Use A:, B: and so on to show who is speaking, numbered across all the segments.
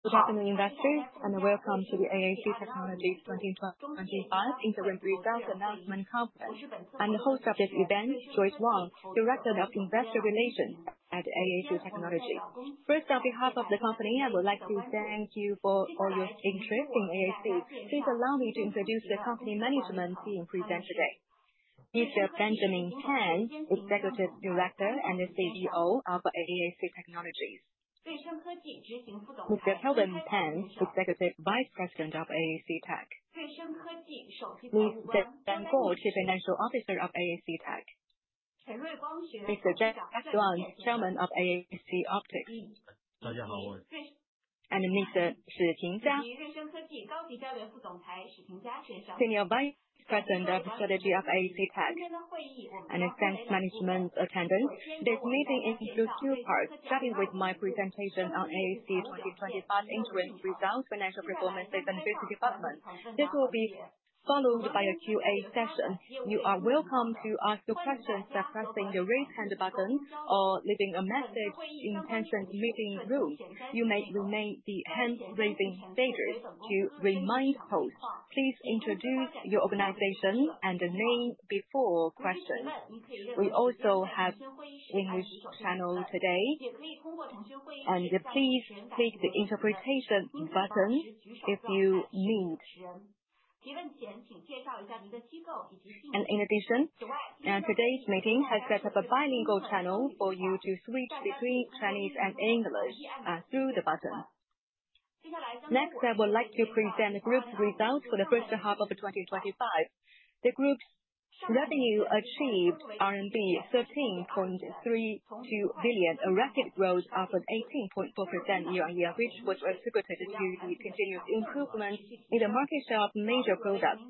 A: Good afternoon, investors, and welcome to the AAC Technologies 2025 Interim Results Announcement Conference. I'm the host of this event, Joyce Wong, Director of Investor Relations at AAC Technologies. First, on behalf of the company, I would like to thank you for all your interest in AAC. Please allow me to introduce the company management team present today. Mr. Benjamin Pan, Executive Director and the CEO of AAC Technologies. Mr. Kelvin Pan, Executive Vice President of AAC Tech. Ms. Dan Guo, Chief Financial Officer of AAC Tech. Mr. Jack Duan, Chairman of AAC Optics. And Mr. Shiting Jia. Senior Vice President of Strategy of AAC Technologies and Asset Management Attendance. This meeting includes two parts, starting with my presentation on AAC 2025 Interim Results, Financial Performance, and Business Development. This will be followed by a Q&A session. You are welcome to ask your questions by pressing the raise hand button or leaving a message in the Tencent meeting room. You may remain in the hand-raising state to remind hosts. Please introduce your organization and name before questions. We also have English channel today, and please click the interpretation button if you need, and in addition, today's meeting has set up a bilingual channel for you to switch between Chinese and English through the button. Next, I would like to present the group's results for the first half of 2025. The group's revenue achieved RMB 13.32 billion, a rapid growth of 18.4% year on year, which was attributed to the continuous improvement in the market share of major products.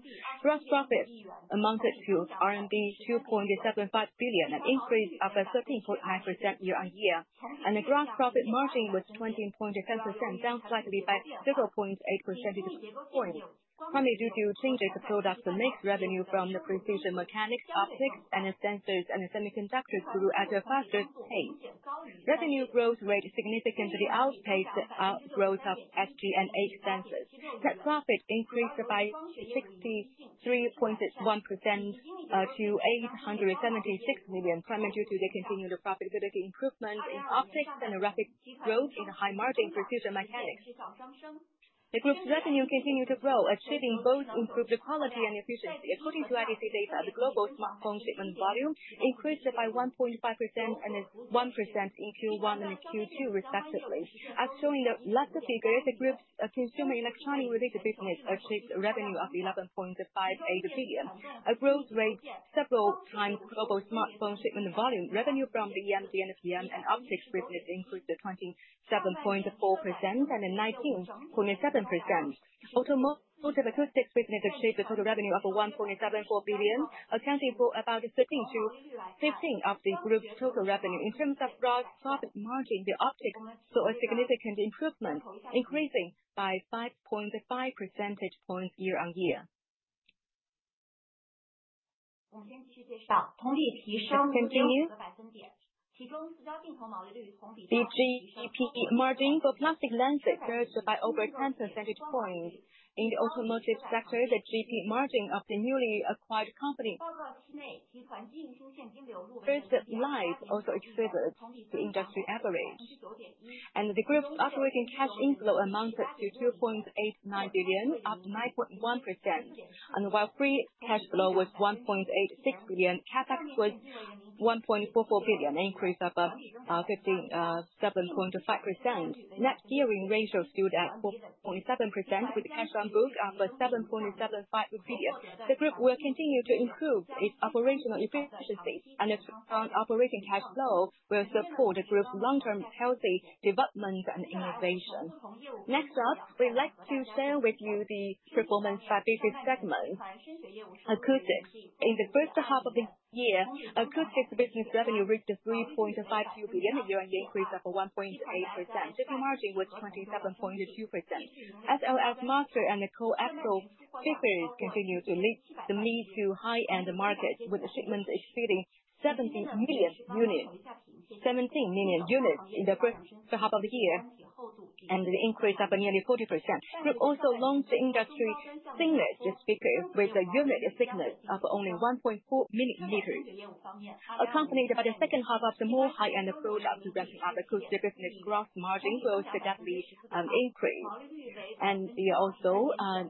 A: Gross profits amounted to 2.75 billion, an increase of 13.9% year on year, and the gross profit margin was 12.7%, down slightly by 0.8% points, primarily due to changes to products that make revenue from the precision mechanics, optics, and sensors and semiconductors grew at a faster pace. Revenue growth rate significantly outpaced growth of SG&A expenses. Net profit increased by 63.1% to 876 million, primarily due to the continued profitability improvement in optics and a rapid growth in the high-margin precision mechanics. The group's revenue continued to grow, achieving both improved quality and efficiency. According to IDC data, the global smartphone shipment volume increased by 1.5% and 1% in Q1 and Q2 respectively. As shown in the last figure, the group's consumer electronic related business achieved revenue of 11.58 billion, a growth rate several times global smartphone shipment volume. Revenue from the EMD, PM, and optics business increased to 27.4% and 19.7%. Automotive acoustics business achieved a total revenue of 1.74 billion, accounting for about 13%-15% of the group's total revenue. In terms of gross profit margin, the optics saw a significant improvement, increasing by 5.5 percentage points year on year. The gross profit margin for plastic lenses surged by over 10 percentage points. In the automotive sector, the gross profit margin of the newly acquired company Xuguang also exceeded the industry average. The group's operating cash inflow amounted to 2.89 billion, up 9.1%. While free cash flow was 1.86 billion, CapEx was 1.44 billion, an increase of 57.5%. Net gearing ratio stood at 4.7%, with the cash on book of 7.75 billion. The group will continue to improve its operational efficiencies, and its operating cash flow will support the group's long-term healthy development and innovation. Next up, we'd like to share with you the performance by business segments. Acoustics. In the first half of the year, acoustics business revenue reached 3.52 billion, an increase of 1.8%. Gross margin was 27.2%. SLS Master and Coaxial figures continue to lead the mid to high-end markets, with shipments exceeding 70 million units. 17 million units in the first half of the year and an increase of nearly 40%. The group also launched industry thinnest speakers with a unit thickness of only 1.4 millimeters. Accompanied by the second half of the more high-end products ramping up acoustic business, gross margin growth significantly increased. Also,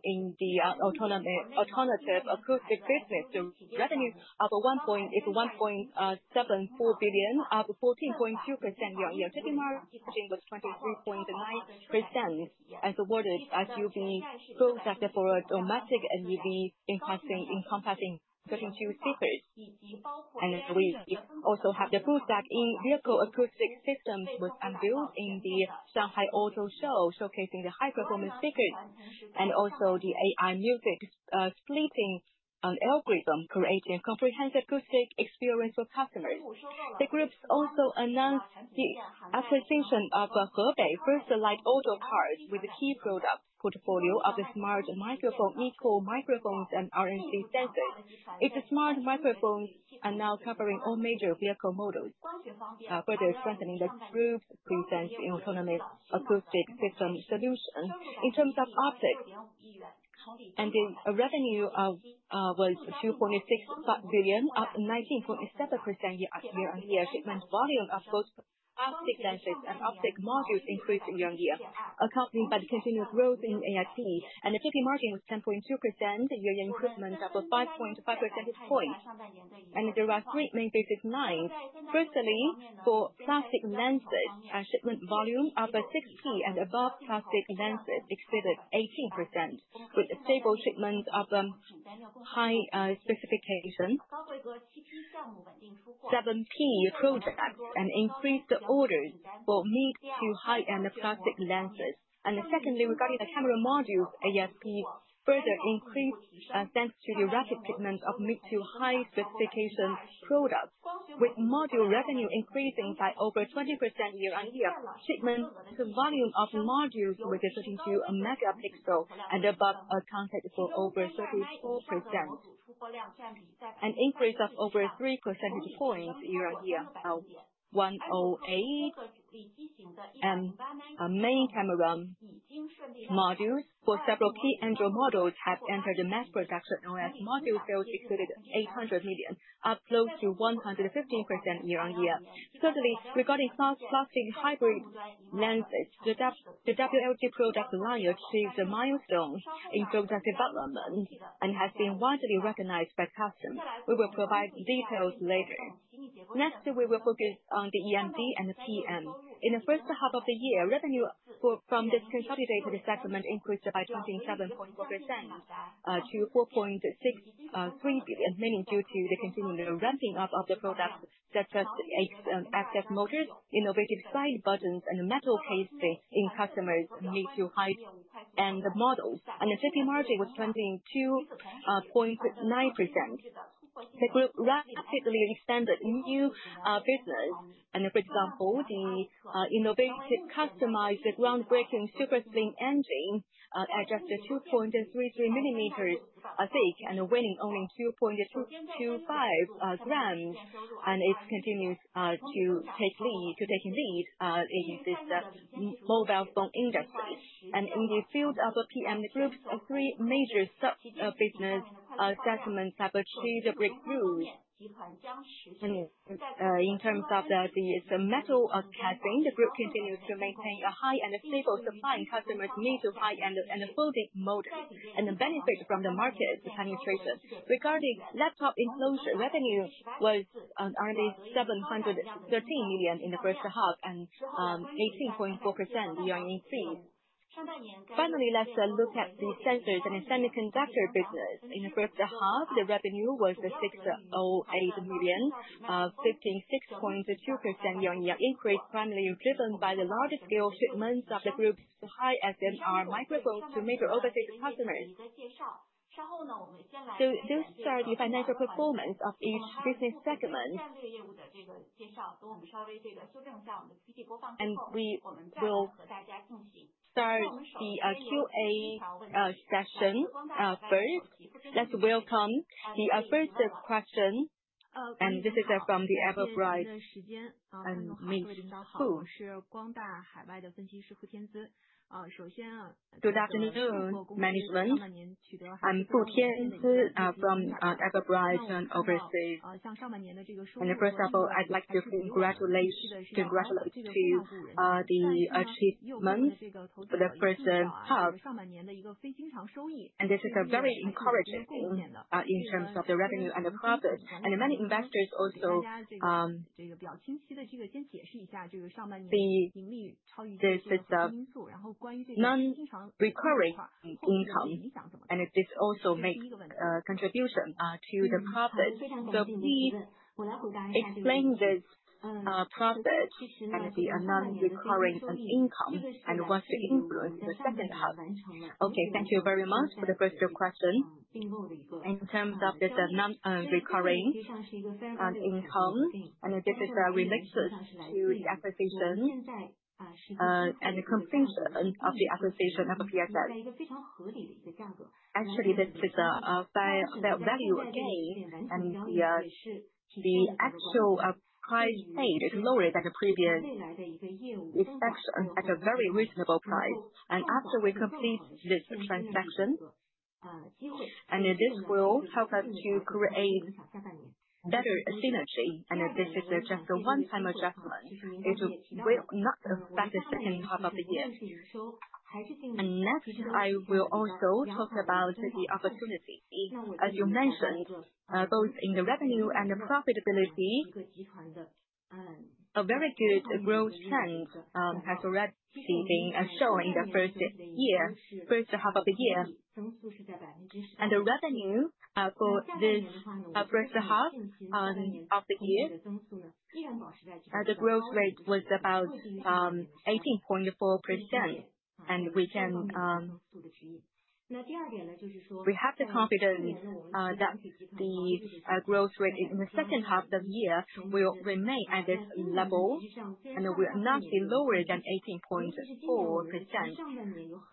A: in the automotive acoustic business, the revenue of 1.74 billion, up 14.2% year on year. Gross margin was 23.9%, and we won an award for YoY growth for a domestic NEV encompassing 32 speakers. We also have the full stack in vehicle acoustic systems that was unveiled in the Shanghai Auto Show, showcasing the high-performance speakers and also the AI music splitting algorithm, creating a comprehensive acoustic experience for customers. The group has also announced the acquisition of Hebei Xuguang Auto Parts with a key product portfolio of the smart microphone, eco microphones, and RNC sensors. Its smart microphones are now covering all major vehicle models, further strengthening the group's presence in automotive acoustic system solutions. In terms of optics, the revenue was 2.65 billion, up 19.7% year on year. Shipment volume of both plastic lenses and optic modules increased year on year, accompanied by the continued growth in AIP. The gross margin was 10.2%, year on year improvement of 5.5 percentage points. There are three main business lines. Firstly, for plastic lenses, shipment volume of 6P and above plastic lenses exceeded 18%, with stable shipments of high specification 7P projects and increased orders for mid to high-end plastic lenses. Secondly, regarding the camera modules, ASP further increased thanks to the rapid shipment of mid to high specification products, with module revenue increasing by over 20% year on year. Shipment volume of modules was 32 megapixels and above accounted for over 34%, an increase of over 3 percentage points year on year. Now 108 main camera modules for several key Android models have entered the mass production. OIS module sales exceeded 800 million, up close to 115% year on year. Thirdly, regarding glass plastic hybrid lenses, the WLG product line achieved a milestone in product development and has been widely recognized by customers. We will provide details later. Next, we will focus on the EMD and PM. In the first half of the year, revenue from this consolidated segment increased by 27.4% to 4.63 billion, mainly due to the continued ramping up of the products such as active motors, innovative side buttons, and metal casing in customers' mid to high-end models, and the gross margin was 22.9%. The group rapidly expanded new business. For example, the innovative customized groundbreaking super slim engine adjusted 2.33 mm thick and weighing only 2.25 g continues to take lead in this mobile phone industry. In the field of PM, the group's three major sub-business segments have achieved breakthroughs. In terms of the metal casing, the group continues to maintain a high and stable supply in customers' mid to high-end folding models and benefit from the market penetration. Regarding laptop enclosure, revenue was 713 million in the first half and 18.4% year-on-year increase. Finally, let's look at the sensors and semiconductor business. In the first half, the revenue was 608 million, 15.62% year-on-year increase primarily driven by the large-scale shipments of the group's high SNR microphones to major overseas customers. Those are the financial performance of each business segment. We will start the Q&A session first. Let's welcome the first question. And this is from the Everbright [Fu Tianzi]
B: Good afternoon, management. I'm Tianzi Fu from Everbright. And first of all, I'd like to congratulate the achievement for the first half. And this is very encouraging in terms of the revenue and the profits. And many investors also see that this is non-recurring income. And this also makes a contribution to the profits. So please explain this profit and the non-recurring income and what's the influence in the second half.
C: Okay, thank you very much for the first question. In terms of this non-recurring income, and this is related to the acquisition and completion of the acquisition of a PSS. Actually, this is a fair value gain, and the actual price paid is lower than the previous inspection at a very reasonable price. And after we complete this transaction, and this will help us to create better synergy. And this is just a one-time adjustment. It will not affect the second half of the year. And next, I will also talk about the opportunity. As you mentioned, both in the revenue and the profitability, a very good growth trend has already been shown in the first year, first half of the year. And the revenue for this first half of the year, the growth rate was about 18.4%. And we have the confidence that the growth rate in the second half of the year will remain at this level, and it will not be lower than 18.4%.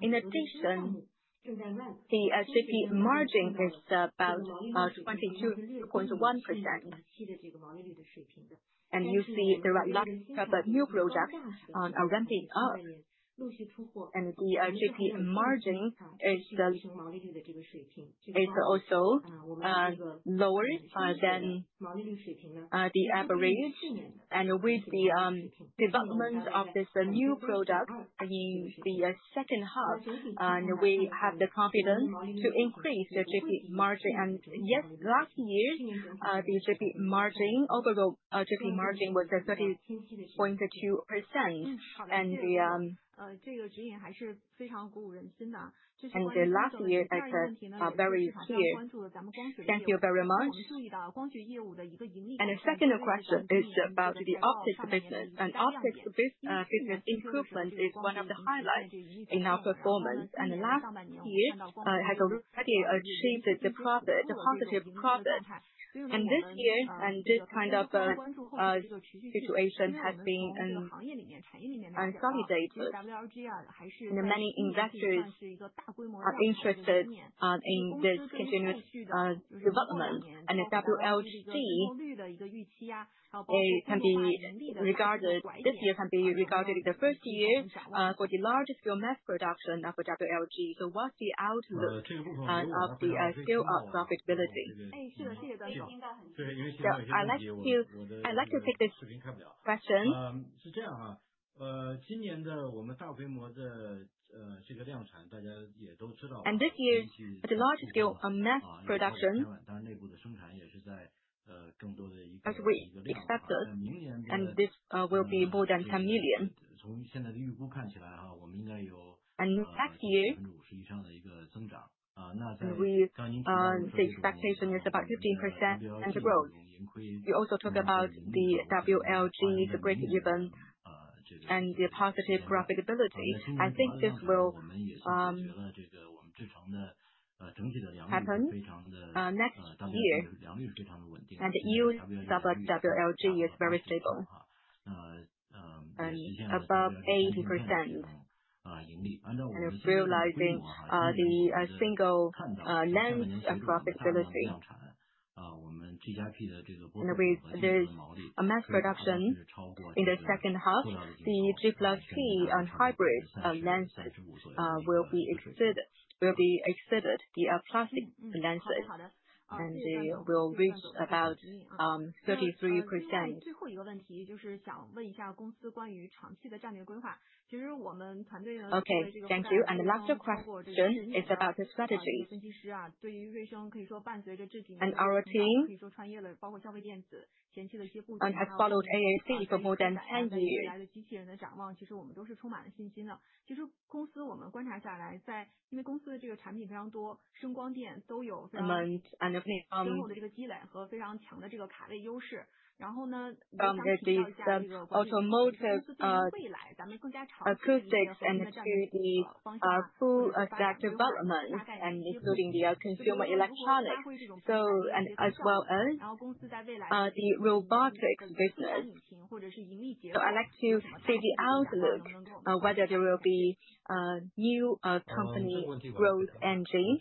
C: In addition, the GP margin is about 22.1%. And you see the last of the new products are ramping up. And the GP margin is also lower than the average. And with the development of this new product in the second half, we have the confidence to increase the GP margin. And yes, last year, the GP margin, overall GP margin was 30.2%. And last year, it's very clear. Thank you very much.
B: The second question is about the optics business. Optics business improvement is one of the highlights in our performance. Last year, it has already achieved the positive profits. This year, this kind of situation has been consolidated. Many investors are interested in this continuous development. WLG, this year can be regarded as the first year for the large-scale mass production for WLG. What's the outlook of the scale-up profitability?
D: I'd like to take this question. This year, at the large-scale mass production, and this will be more than 10 million. Next year, the expectation is about 15% and the growth. You also talk about the WLG's great given and the positive profitability. I think this will happen next year. Yields of WLG is very stable, and above 80%. Realizing the single lens profitability. With this mass production in the second half, the G+P and hybrid lenses will exceed the plastic lenses, and they will reach about 33%.
B: Okay, thank you. The last question is about the strategy. Our team has followed AAC for more than 10 years acoustics and to the full stack development and including the consumer electronics, as well as the robotics business. So I'd like to see the outlook, whether there will be new company growth engine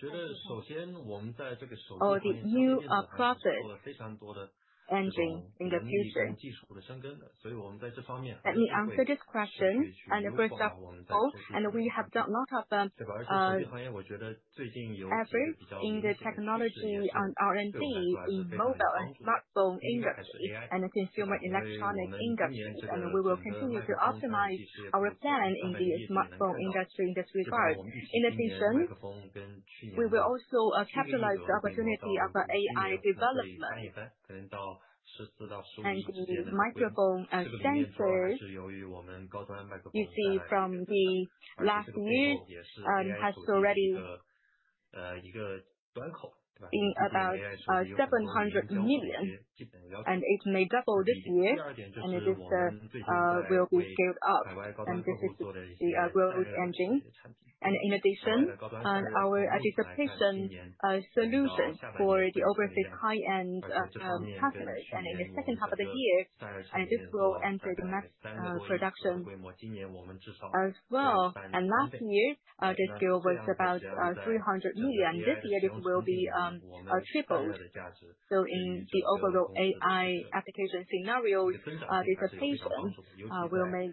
B: or the new profit engine in the future.
D: Let me answer this question. First of all, we have done a lot of effort in the technology and R&D in mobile and smartphone industry and consumer electronics industry. We will continue to optimize our plan in the smartphone industry in this regard. In addition, we will also capitalize the opportunity of AI development and the microphone sensors you see from the last year has already been about 700 million, and it may double this year. And this will be scaled up. And this is the growth engine. And in addition, our dissipation solution for the overseas high-end customers. And in the second half of the year, this will enter the mass production as well. And last year, the scale was about 300 million. This year, this will be tripled. So in the overall AI application scenario, dissipation will make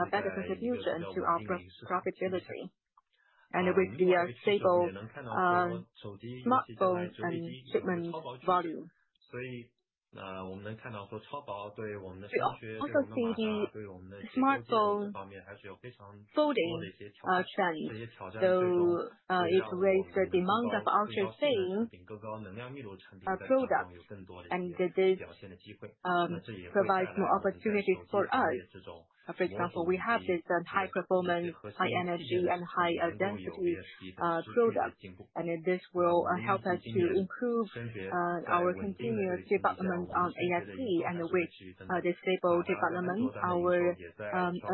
D: a better contribution to our profitability. And with the stable smartphone and shipment volume. So you also see the smartphone folding trend. So it raised the demand of ultra-thin products. And this provides more opportunities for us. For example, we have this high-performance, high-energy, and high-density products. This will help us to improve our continuous development on AIP, and with the stable development, our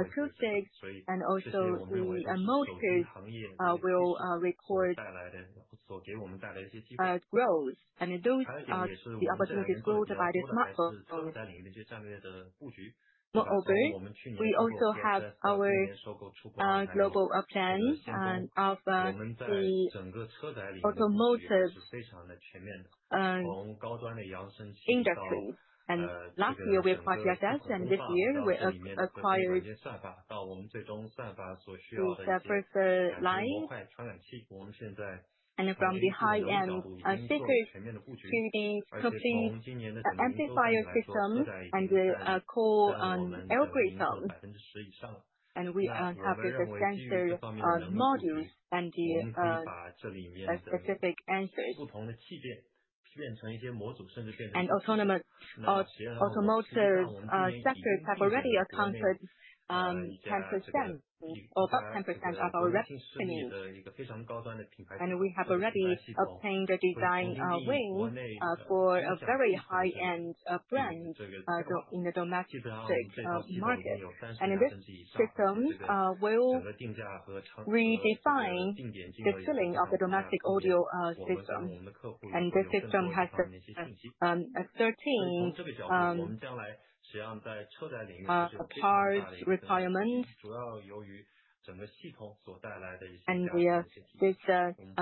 D: acoustics and also the modules will record growth. And those are the opportunities brought by the smartphones. Moreover, we also have our global plan of the automotive industry. And last year, we acquired PSS, and this year, we acquired Hebei First Light. And from the high-end speakers to the complete amplifier system and the core algorithm. And we have the sensor modules and the specific sensors. And autonomous automotive sectors have already accounted for about 10% of our revenue. And we have already obtained a design win for a very high-end brand in the domestic market. And this system will redefine the ceiling of the domestic audio system. And this system has 13 parts requirements. And this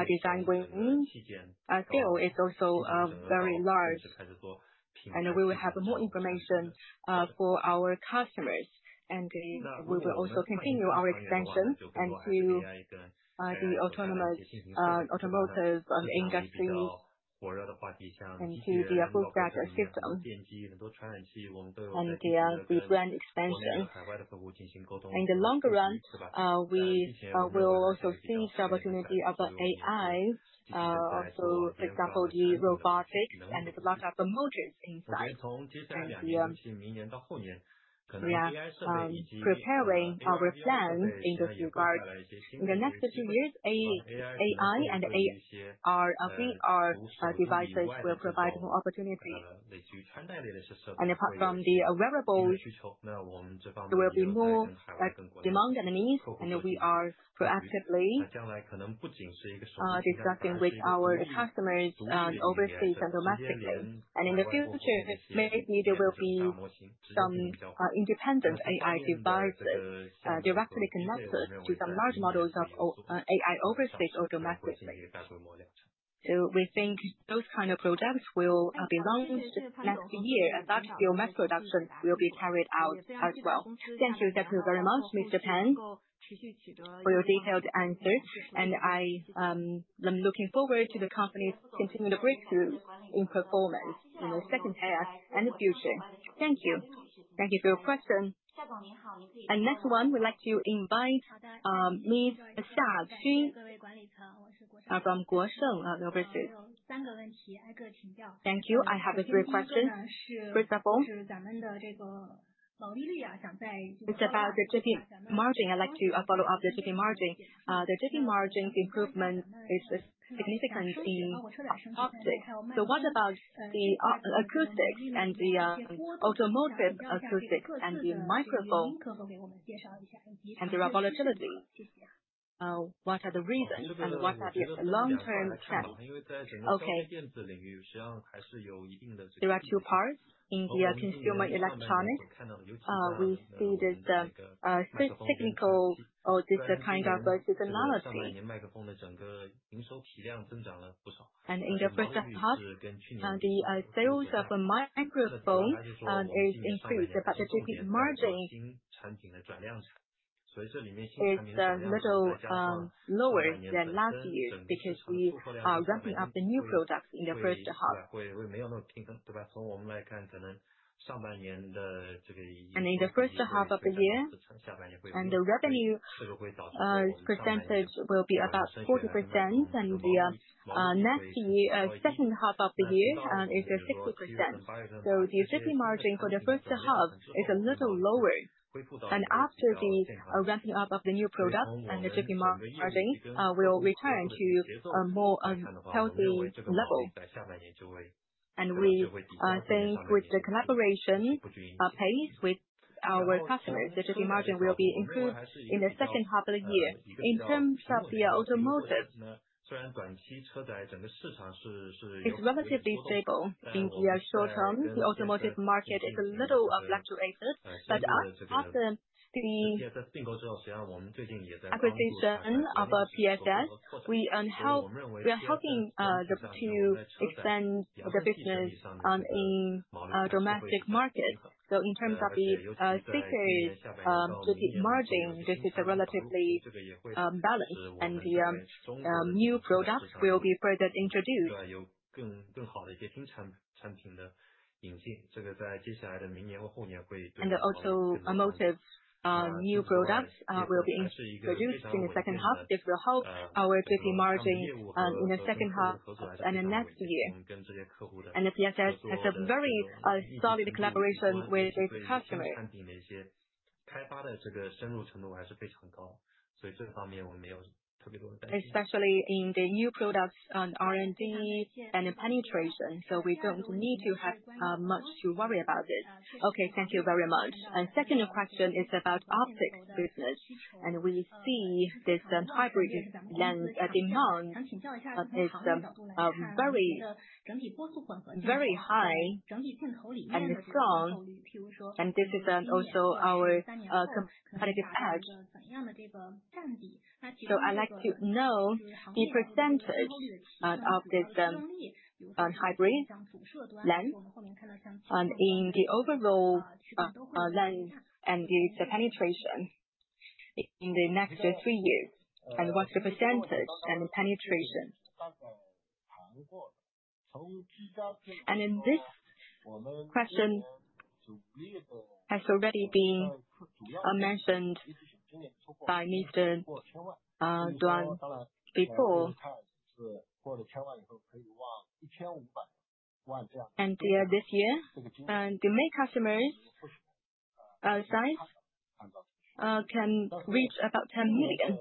D: design win still is also very large. And we will have more information for our customers. And we will also continue our expansion into the autonomous automotive industry and to the full stack system. And the brand expansion. And in the long run, we will also see the opportunity of AI, for example, the robotics and a lot of modules inside. And we are preparing our plan in this regard. In the next two years, AI and our devices will provide more opportunities. And apart from the wearables, there will be more demand and needs and we are proactively discussing with our customers overseas and domestically. And in the future, maybe there will be some independent AI devices directly connected to some large models of AI overseas or domestically. So we think those kinds of products will be launched next year, and that scale mass production will be carried out as well.
B: Thank you very much, Mr. Pan, for your detailed answers and I'm looking forward to the company's continued breakthrough in performance in the second half and the future. Thank you.
C: Thank you for your question. And next one, we'd like to invite Ms. Xia Xu from Guosheng Securities.
E: Thank you. I have three questions. First of all, it's about the GP margin. I'd like to follow up the GP margin. The GP margin's improvement is significant in optics. So what about the acoustics and the automotive acoustics and the microphone and their volatility? What are the reasons, and what are the long-term trends?
D: Okay. There are two parts. In the consumer electronics, we see this technical or this kind of seasonality. And in the first half, the sales of microphones have increased, but the GP margin is a little lower than last year because we are ramping up the new products in the first half. In the first half of the year, the revenue percentage will be about 40% and the next second half of the year is 60%. So the GP margin for the first half is a little lower. After the ramping up of the new products and the GP margin, we will return to a more healthy level. We think with the collaboration pace with our customers, the GP margin will be improved in the second half of the year. In terms of the automotive, it's relatively stable. In the short term, the automotive market is a little fluctuated. But after the acquisition of PSS, we are helping to expand the business in the domestic market. So in terms of the speakers' GP margin, this is relatively balanced. New products will be further introduced. The automotive new products will be introduced in the second half. This will help our GP margin in the second half and next year. And PSS has a very solid collaboration with its customers. Especially in the new products and R&D and penetration. So we don't need to have much to worry about this.
E: Okay. Thank you very much. And second question is about optics business. And we see this hybrid lens demand is very high and strong. And this is also our competitive edge. So I'd like to know the percentage of this hybrid lens in the overall lens and its penetration in the next three years and what's the percentage and the penetration?
D: And this question has already been mentioned by Mr. Duan before. And this year, the main customers' size can reach about 10 million.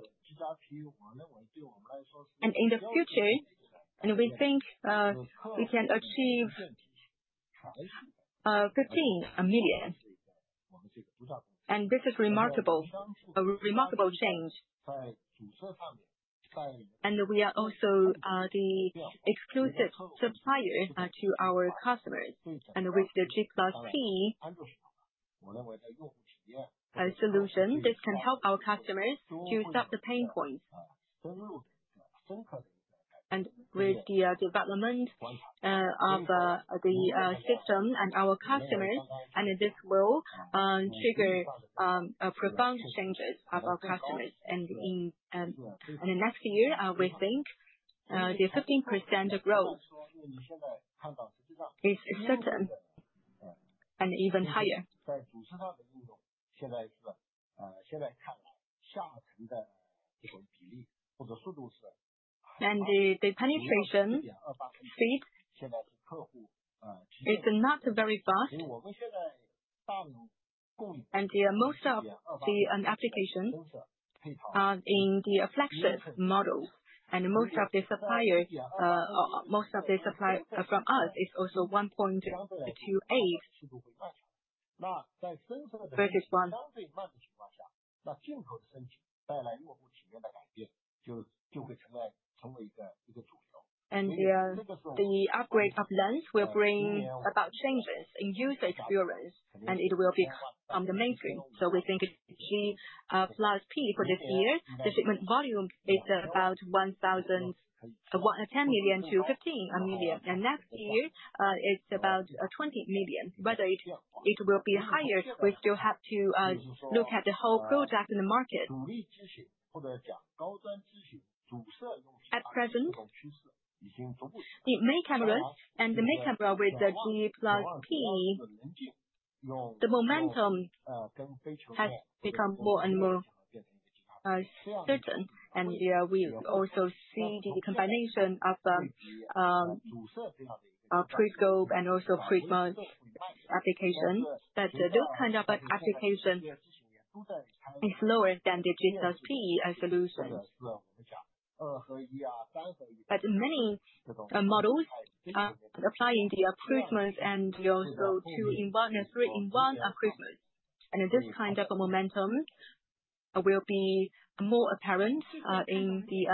D: And in the future, we think we can achieve 15 million. And this is a remarkable change. We are also the exclusive supplier to our customers. With the GPLC solution, this can help our customers to solve the pain points. With the development of the system and our customers, this will trigger profound changes of our customers. In the next year, we think the 15% growth is certain and even higher. The penetration speed is not very fast. Most of the applications are in the flagship models. Most of the suppliers from us is also 1.28 versus 1.9. The upgrade of lens will bring about changes in user experience. It will become the mainstream. We think GPLC for this year, the shipment volume is about 10-15 million. Next year, it's about 20 million. Whether it will be higher, we still have to look at the whole product in the market. At present, the main camera with the GPLC, the momentum has become more and more certain, and we also see the combination of periscope and also prism application, but those kinds of applications are slower than the GPLC solutions, but many models are applying the prisms and also two-in-one and three-in-one prisms, and this kind of momentum will be more apparent in the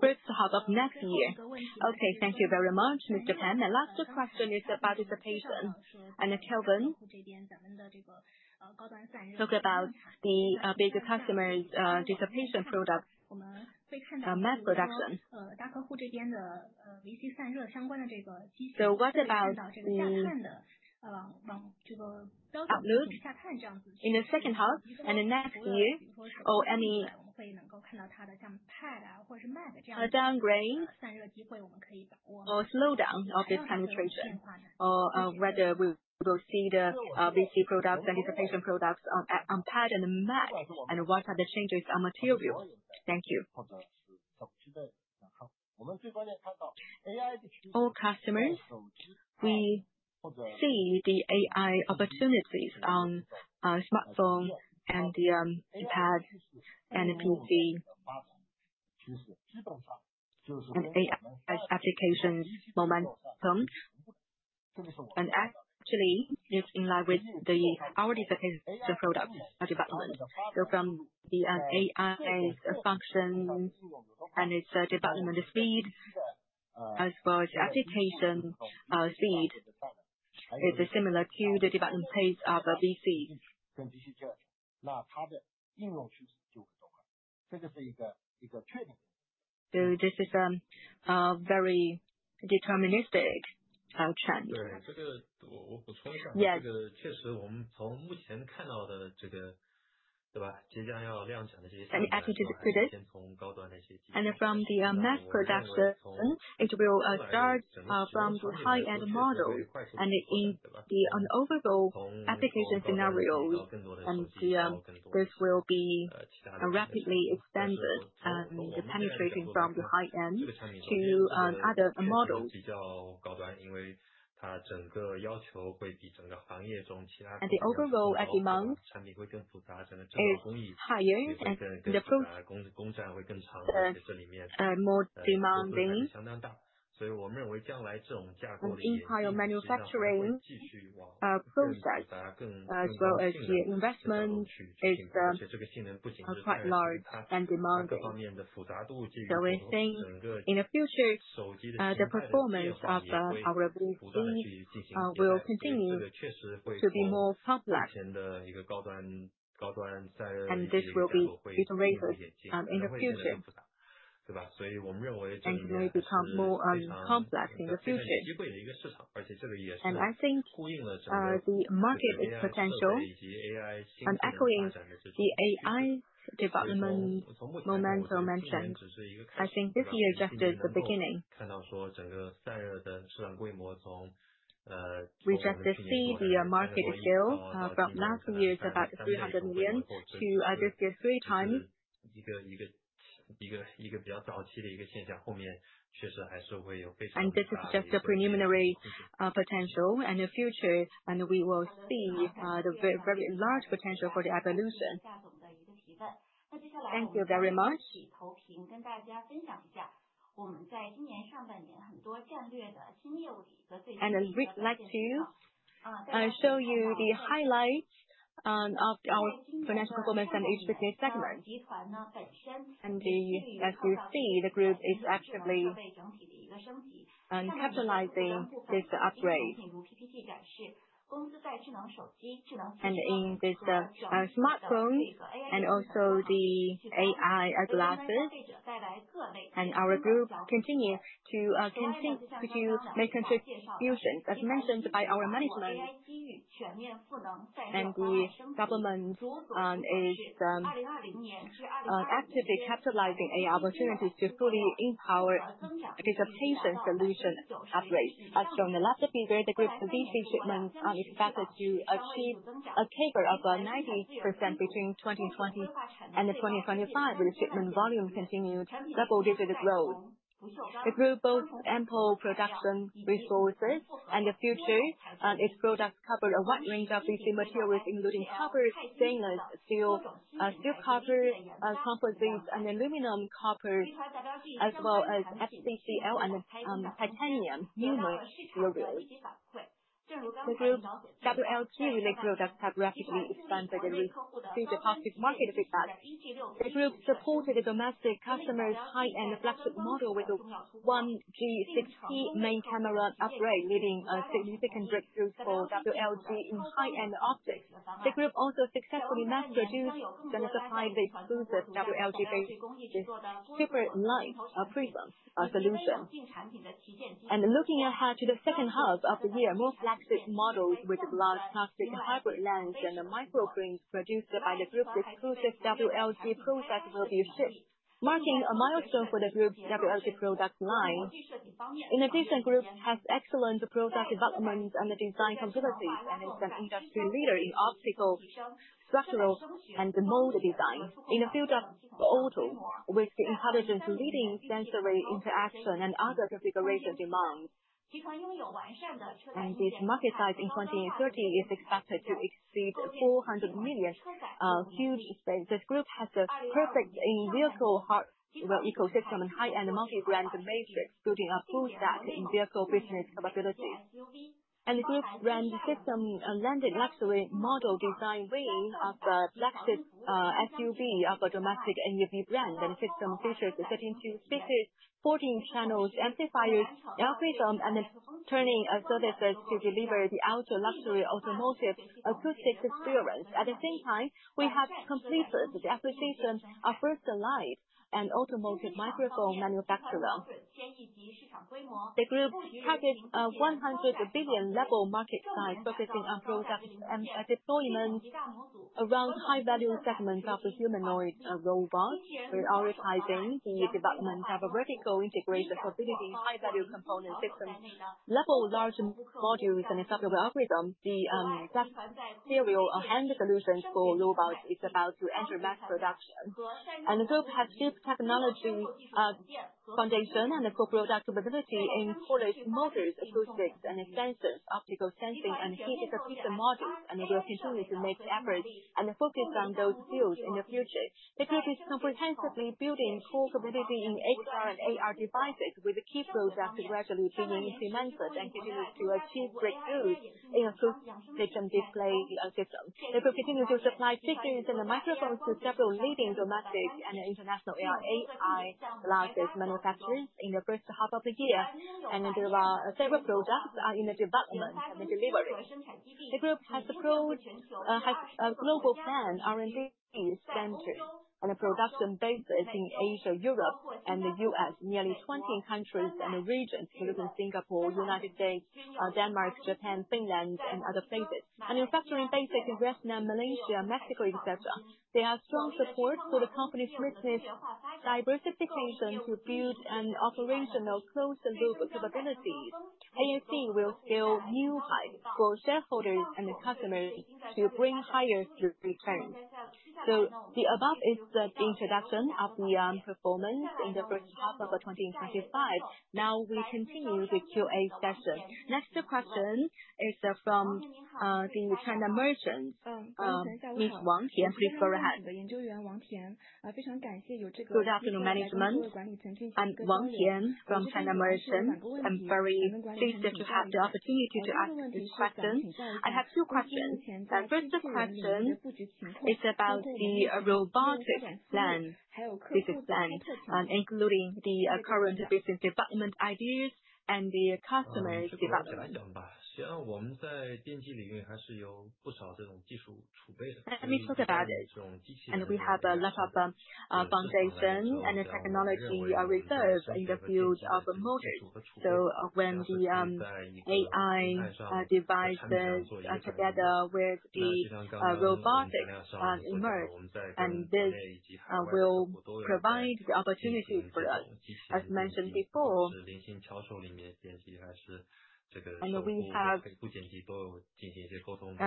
D: first half of next year.
E: Okay, thank you very much, Mr. Pan, and last question is about dissipation. And Kelvin, talk about the big customers' dissipation products mass production. What about the outlook in the second half and next year or slowdown of this penetration, whether we will see the VC products and dissipation products on pad and mat, and what are the changes in materials? Thank you.
D: All customers, we see the AI opportunities on smartphones and pads and PC applications momentum. Actually, it's in line with our heat dissipation products' development. So from the AI function and its development speed, as well as application speed, it's similar to the development pace of VC. So this is a very deterministic trend. Yes. From the mass production, it will start from the high-end models and in the overall application scenarios. And this will be rapidly expanded and penetrating from the high-end to other models. And the overall demand will be more demanding and higher manufacturing process. So as the investment is quite large and demanding. So we think in the future, the performance of our VC will continue to be more complex. And this will be iterated in the future. So we think it will become more complex in the future. I think the market potential echoing the AI development momentum mentioned, I think this year just is the beginning. We just see the market scale from last year's about 300 million to this year's three times. This is just a preliminary potential. In the future, we will see the very large potential for the evolution.
E: Thank you very much.
C: I'd like to show you the highlights of our financial performance and HPC segments. As you see, the group is actively capitalizing this upgrade in smartphones and also the AI glasses. Our group continues to make contributions as mentioned by our management. The group is actively capitalizing AI opportunities to fully empower dissipation solution upgrades. As shown in the last figure, the group believes the shipments are expected to achieve a CAGR of 90% between 2020 and 2025, with shipment volume continued double-digit growth. The group has both ample production resources and the future. Its products cover a wide range of VC materials, including copper, stainless steel, steel copper, composites, and aluminum copper, as well as FCCL and titanium aluminum materials. The group's WLG related products have rapidly expanded to the optics market feedback. The group supported domestic customers' high-end flagship model with the 1G6P main camera upgrade, leading to significant breakthroughs for WLG in high-end optics. The group also successfully mass produced and supplied the exclusive WLG-based super light prism solution. Looking ahead to the second half of the year, more flagship models with large plastic hybrid lens and micro-prisms produced by the group's exclusive WLG products will be shipped, marking a milestone for the group's WLG product line. In addition, the group has excellent product development and design capabilities and is an industry leader in optical, structural, and mold design. In the field of auto, with the intelligence leading sensory interaction and other configuration demands. This market size in 2030 is expected to exceed 400 million huge space. The group has a perfect vehicle ecosystem and high-end multi-brand matrix, building a full stack in vehicle business capabilities. The group's brand system landed luxury model design win of the flagship SUV of a domestic NEV brand. The system features 13 speakers, 14 channels, amplifiers, algorithm, and tuning services to deliver the ultra-luxury automotive acoustic experience. At the same time, we have completed the acquisition of First Light and automotive microphone manufacturer. The group targets a 100 billion level market size, focusing on product deployment around high-value segments of the humanoid robots, prioritizing the development of a vertical integration capability, high-value component systems, level large modules, and a subtle algorithm. The industrial hand solutions for robots is about to enter mass production. The group has deep technology foundation and a co-product capability in coiled motors, acoustics, and sensors, optical sensing, and heat dissipation modules. We will continue to make efforts and focus on those fields in the future. The group is comprehensively building core capability in HR and AR devices, with key products gradually being implemented and continuing to achieve breakthroughs in acoustic and display systems. The group continues to supply speakers and microphones to several leading domestic and international AI glasses manufacturers in the first half of the year, and there are several products in the development and delivery. The group has a global plant, R&D center, and a production base in Asia, Europe, and the U.S., nearly 20 countries and regions, including Singapore, United States, Denmark, Japan, Finland, and other places, and manufacturing bases in Vietnam, Malaysia, Mexico, etc. They are strong support for the company's business diversification to build an operational closed loop capabilities. AAC will scale new heights for shareholders and customers to bring higher returns. The above is the introduction of the performance in the first half of 2025. Now we continue with Q&A session. Next question is from China Merchants Securities, Ms. Wang Tian. Please go ahead.
F: Good afternoon, management. I'm Wang Tian from China Merchants Securities. I'm very pleased to have the opportunity to ask these questions. I have two questions. First question is about the robotic lens, including the current business development ideas and the customer's development.
D: Let me talk about it, and we have a lot of foundation and technology reserves in the field of motors. So when the AI devices together with the robotics emerge, and this will provide the opportunities for us. As mentioned before, and we have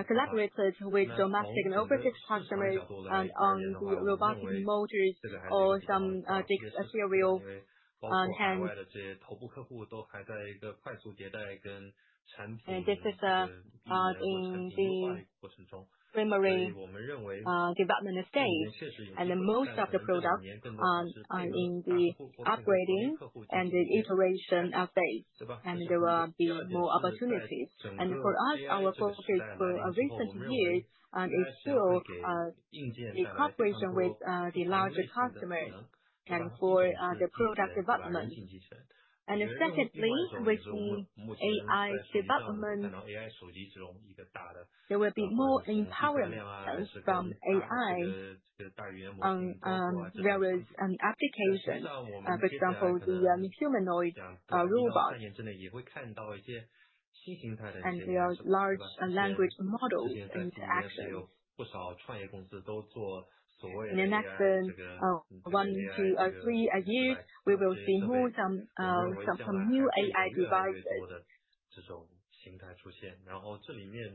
D: collaborated with domestic and overseas customers on the robotic motors or some serial hands, and this is in the primary development stage, and most of the products are in the upgrading and iteration phase, and there will be more opportunities, and for us, our focus for recent years is still the cooperation with the larger customers and for the product development. And secondly, with the AI development, there will be more empowerment from AI on various applications. For example, the humanoid robots, and there are large language models in action. In the next one to three years, we will see more from new AI devices.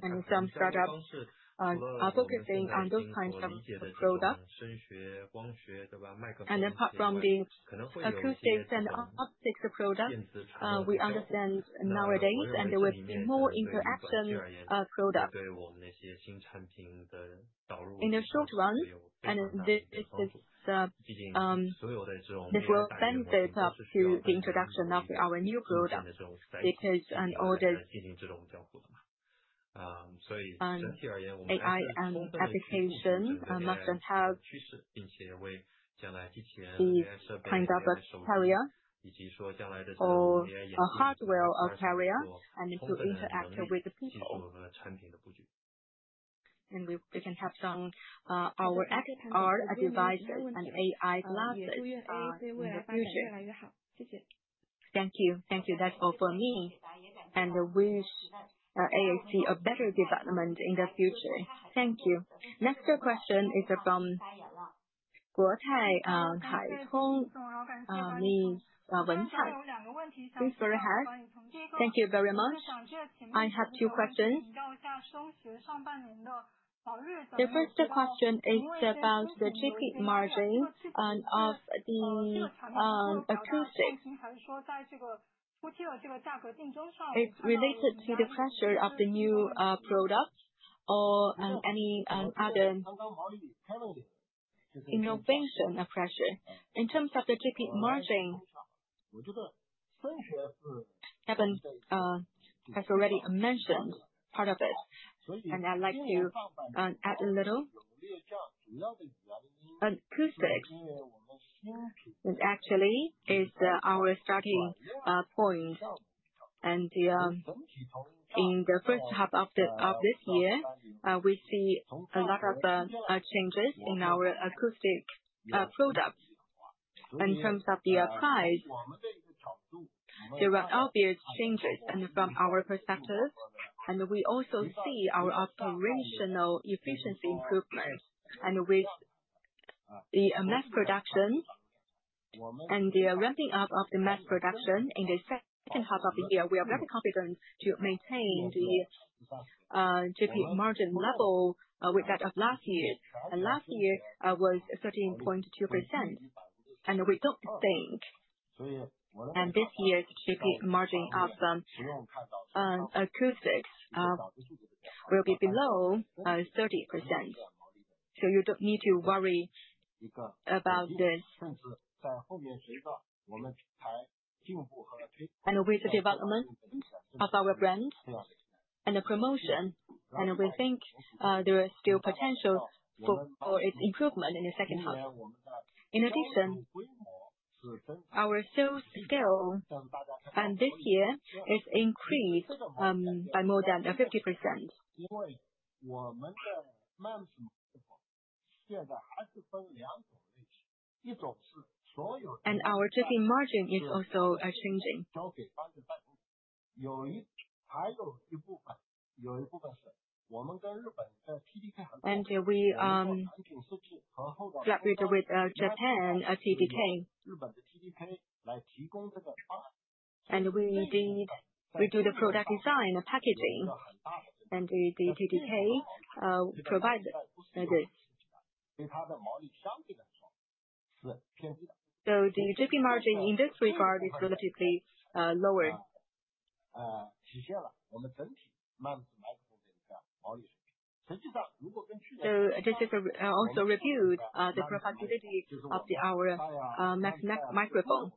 D: And some startups are focusing on those kinds of products. And apart from the acoustics and optics products, we understand nowadays there will be more interaction products in the short run and this will benefit us to the introduction of our new products because in order to be AI and application must have kind of a carrier or hardware carrier and to interact with people. And we can have some of our devices and AI glasses in the future.
F: Thank you. Thank you. That's all for me. And wish AAC a better development in the future. Thank you.
C: Next question is from Guotai Junan Securities, Ms. Wen Cai. Please go ahead.
G: Thank you very much. I have two questions. The first question is about the GP margin of the acoustics. It's related to the pressure of the new products or any other innovation pressure.
H: In terms of the GP margin, Kevin has already mentioned part of it and I'd like to add a little. Acoustics is actually our starting point. In the first half of this year, we see a lot of changes in our acoustic products. In terms of the price, there are obvious changes from our perspective and we also see our operational efficiency improvement. And with the mass production and the ramping up of the mass production in the second half of the year, we are very confident to maintain the GP margin level with that of last year. And last year was 13.2%. We don't think this year's GP margin of acoustics will be below 30%. So you don't need to worry about this. And with the development of our brand and the promotion, and we think there is still potential for its improvement in the second half. In addition, our sales scale this year is increased by more than 50% and our GP margin is also changing. And we collaborate with Japan TDK. And we do the product design and packaging and the TDK provides this. So the GP margin in this regard is relatively lower. So this is also reviewed the profitability of our microphone.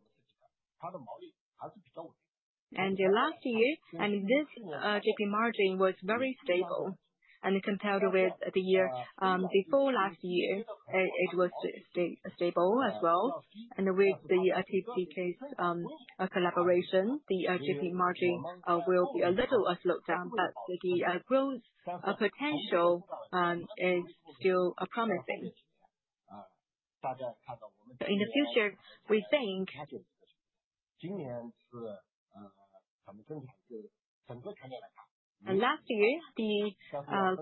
H: And last year, this GP margin was very stable. And compared with the year before last year, it was stable as well. And with the TDK's collaboration, the GP margin will be a little slowed down but the growth potential is still promising. In the future, we think last year, the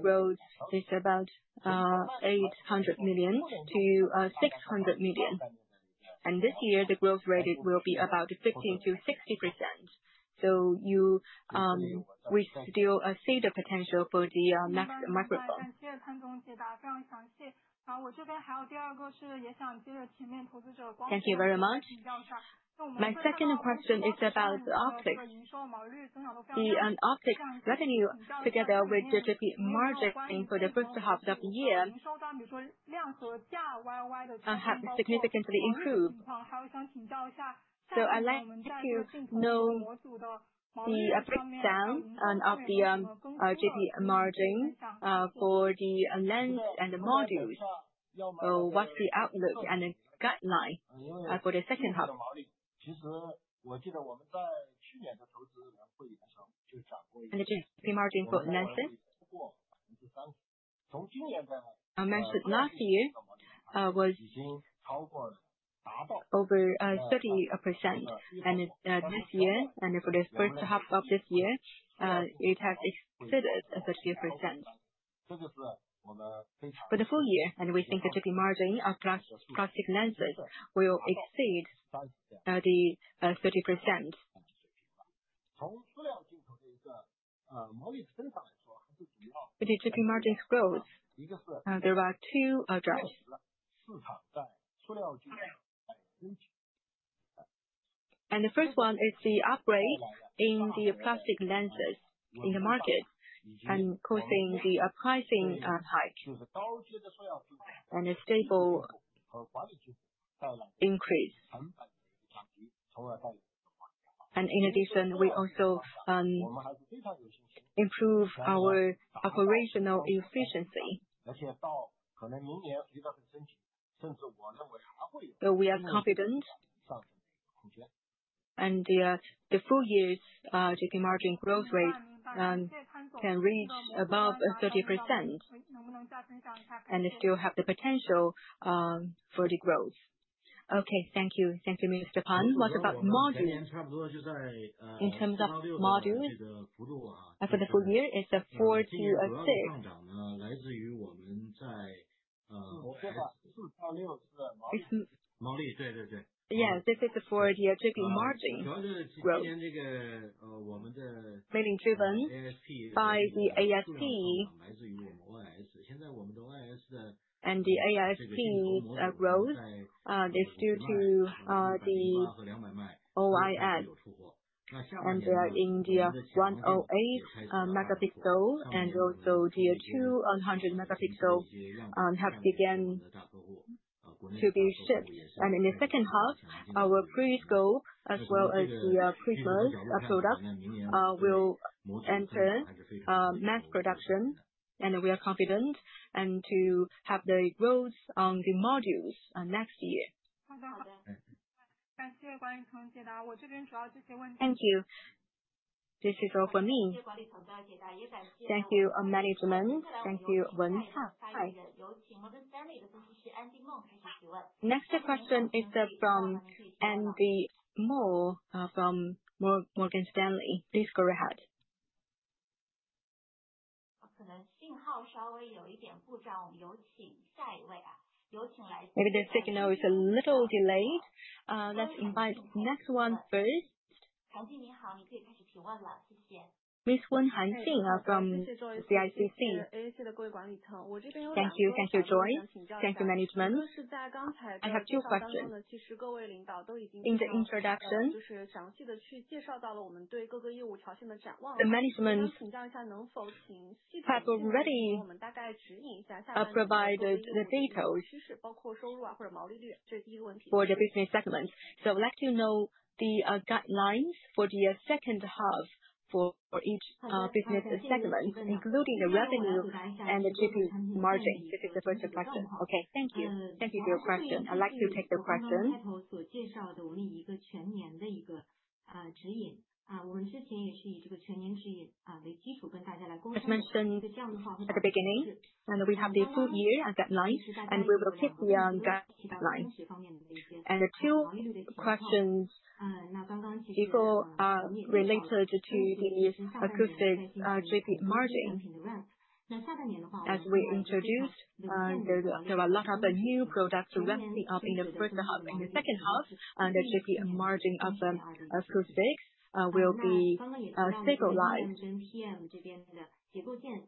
H: growth is about 800 million-600 million and this year, the growth rate will be about 15%-60% so we still see the potential for the next microphone.
G: Thank you very much. My second question is about optics. The optics revenue together with the GP margin for the first half of the year have significantly improved. So I'd like to know the breakdown of the GP margin for the lens and the modules. So what's the outlook and the guideline for the second half?
H: And the GP margin for lenses mentioned last year was over 30%. And this year, and for the first half of this year, it has exceeded 30%. For the full year, and we think the GP margin of plastic lenses will exceed 30%. The GP margin growth. There are two drivers. And the first one is the upgrade in the plastic lenses in the market and causing the pricing hike and a stable increase. And in addition, we also improve our operational efficiency. So we are confident. And the full year's GP margin growth rate can reach above 30% and still have the potential for the growth.
G: Okay. Thank you. Thank you, Mr. Pan.
H: What about modules? In terms of modules for the full year, it's 4%-6%. Yes. This is for the GP margin growth. Mainly driven by the ASP. And the ASP growth is due to the OIS. And there are 108 megapixel and also 200 megapixel have begun to be shipped. And in the second half, our periscope as well as the premium products will enter mass production and we are confident to have the growth on the modules next year.
C: Thank you. This is all for me. Thank you, management. Thank you, Wen Cai. Next question is from Andy Meng from Morgan Stanley. Please go ahead. Maybe the signal is a little delayed. Let's invite next one first. Ms. Wen Haixing from CICC.
I: Thank you. Thank you, Joy. Thank you, management. I have two questions. In the introduction, the management has already provided the details for the business segment. So I'd like to know the guidelines for the second half for each business segment, including the revenue and the GP margin. This is the first question.
J: Okay. Thank you. Thank you for your question. I'd like to take the question. As mentioned at the beginning, and we have the full year guidelines. And we will take the guidelines. And the two questions before related to the acoustic GP margin. As we introduced, there are a lot of new products ramping up in the first half. In the second half, the GP margin of acoustics will be stabilized,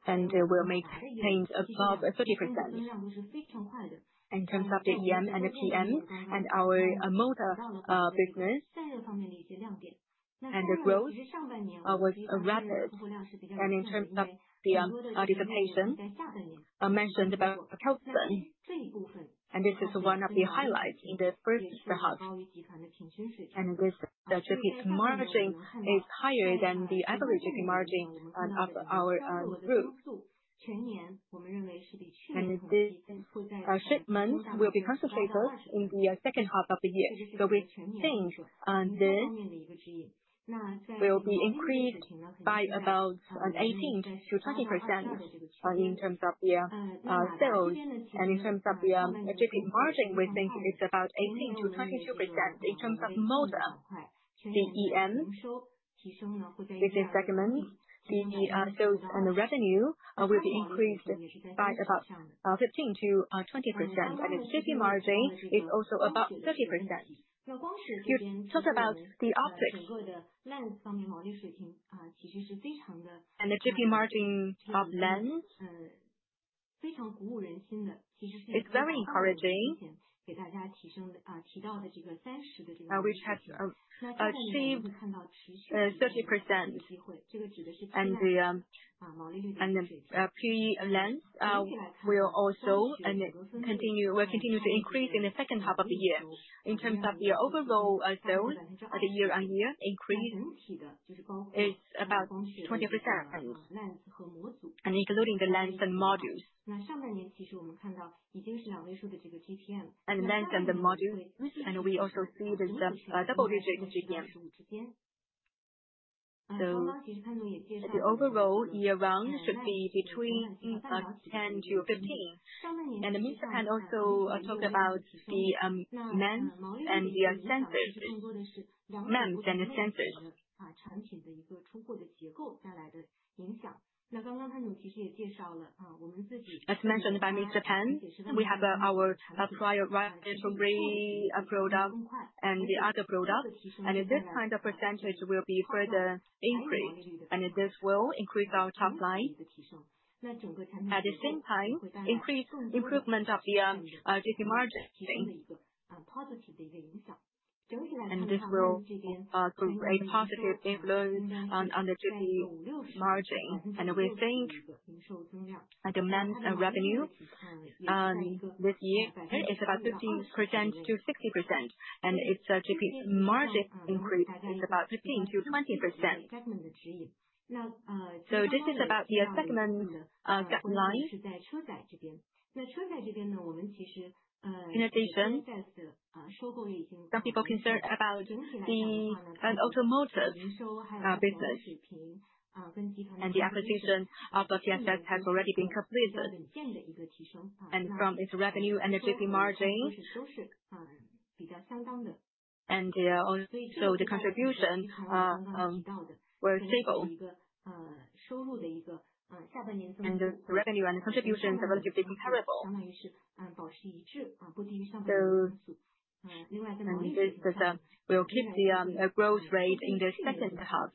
J: and we'll maintain above 30%. In terms of the EM and the PM and our motor business, the growth was rapid. In terms of the dissipation mentioned by Kelvin, this is one of the highlights in the first half, and this GP margin is higher than the average GP margin of our group, and the shipments will be concentrated in the second half of the year. So we think this will be increased by about 18-20% in terms of the sales, and in terms of the GP margin, we think it's about 18-22%. In terms of motor, the EM business segment, the sales and the revenue will be increased by about 15%-20%, and the GP margin is also about 30%. You talked about the optics lens, and the GP margin of lens is very encouraging which has 30%, and the PE lens will also continue to increase in the second half of the year. In terms of the overall sales, the year-on-year increase is about 20%, and including the lens and modules, and we also see this double digit GPM. The overall year-round should be between 10%-15%. Mr. Pan also talked about the MEMS and the sensors. As mentioned by Mr. Pan, we have our high-end products and the other products, and this kind of percentage will be further increased, and this will increase our top line. At the same time, increased improvement of the GP margin and this will create a positive influence on the GP margin. And we think the MEMS revenue this year is about 50%-60%. And its GP margin increase is about 15%-20%. So this is about the segment guidelines. In addition, some people concerned about the automotive business. And the acquisition of PSS has already been completed. And from its revenue and the GP margin and so the contribution were stable. And the revenue and the contribution is relatively comparable. This will keep the growth rate in the second half.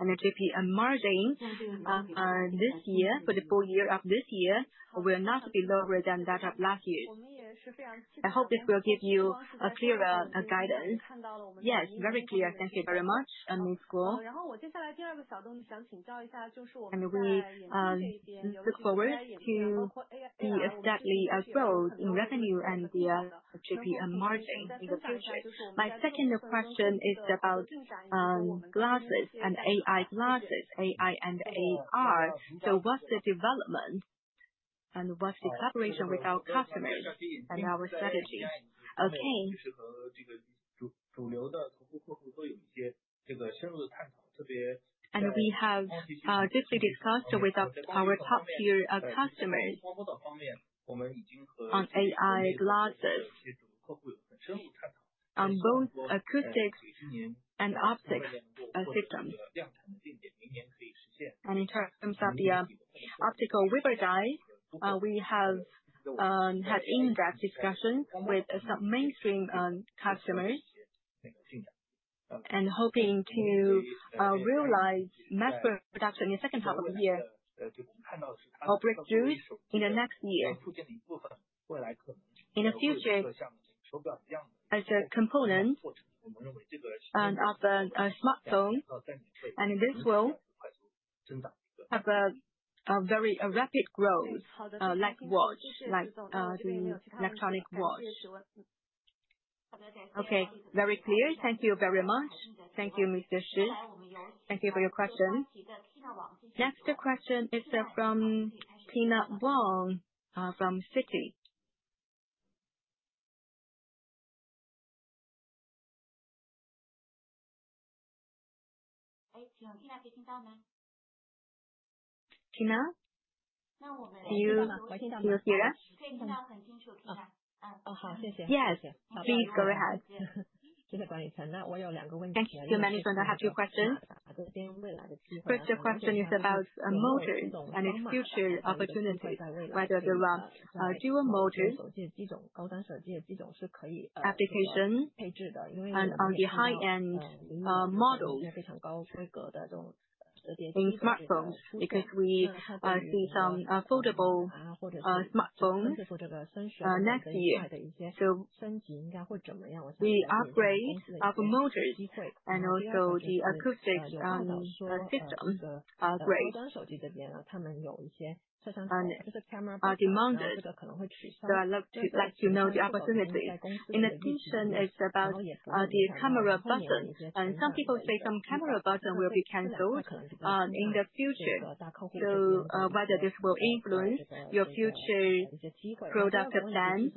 J: And the GP margin this year, for the full year of this year, will not be lower than that of last year. I hope this will give you a clearer guidance.
I: Yes, very clear. Thank you very much, Ms. Guo. And we look forward to the steady growth in revenue and the GP margin in the future. My second question is about glasses and AI glasses, AI and AR. So what's the development and what's the collaboration with our customers and our strategy?
K: Okay. And we have deeply discussed with our top-tier customers on AI glasses. On both acoustics and optics systems. And in terms of the optical waveguide, we have had in-depth discussions with some mainstream customers and hoping to realize mass production in the second half of the year or breakthroughs in the next year. In the future, as a component of a smartphone and this will have a very rapid growth like the electronic watch.
C: Okay. Very clear. Thank you very much. Thank you, Mr. Shi. Thank you for your questions. Next question is from Tina Wong from Citi. Tina? Do you hear us?
L: Yes.
C: Please go ahead.
L: Thank you, management. I have two questions. First question is about motors and its future opportunities. Whether there are dual motors. And on the high-end models, in smartphones, because we see some foldable smartphones, next year so we upgrade of motors and also the acoustics system upgrade. So I'd like to know the opportunities. In addition, it's about the camera button. And some people say some camera button will be canceled in the future. So whether this will influence your future product plan.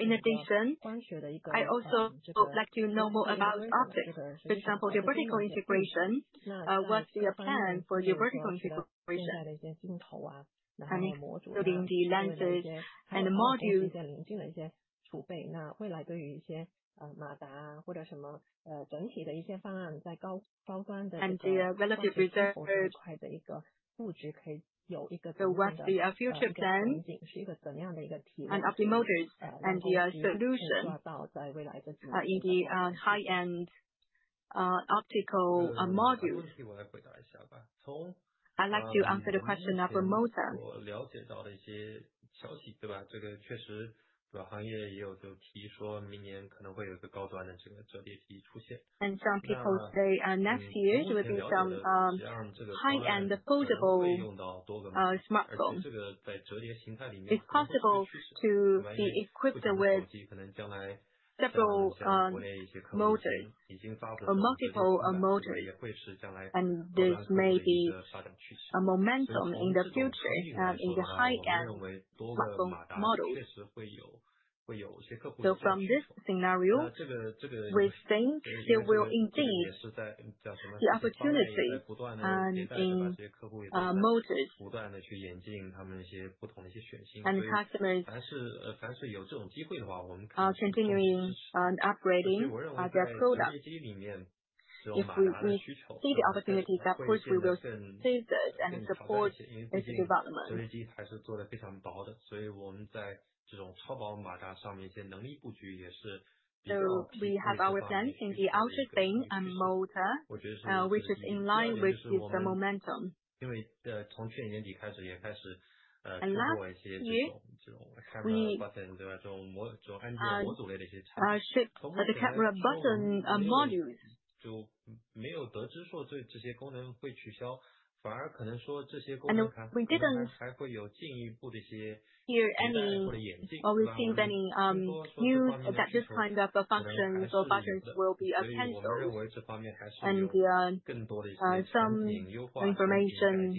L: In addition, I also would like to know more about optics. For example, the vertical integration. What's the plan for the vertical integration? And including the lenses and the modules and the relative reserve. So what's the future plan and optic motors and the solution in the high-end optical modules.
M: I'd like to answer the question of motor. And some people say next year there will be some high-end foldable smartphones. It's possible to be equipped with several motors, multiple motors. And this may be a momentum in the future in the high-end smartphone models. So from this scenario, we think there will indeed be opportunities in motors. And customers continuing upgrading their products. If we see the opportunity, of course, we will seize it and support this development. So we have our plans in the ultra-thin motor, which is in line with this momentum. Lastly, the camera button modules. We didn't hear any or receive any news that this kind of functions or buttons will be canceled. And some information